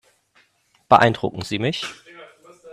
Beeindrucken Sie mich.